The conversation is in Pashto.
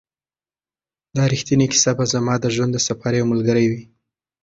دا ریښتینې کیسه به زما د ژوند د سفر یو ملګری وي.